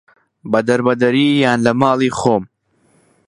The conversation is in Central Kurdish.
بە دەربەدەری یان لە ماڵی خۆم